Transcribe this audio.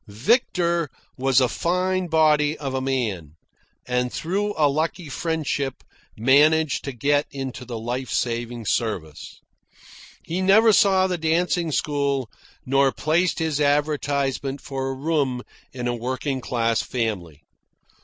Victor was a fine body of a man, and through a lucky friendship managed to get into the life saving service. He never saw the dancing school nor placed his advertisement for a room in a working class family.